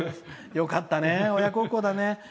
よかったね、親孝行だね。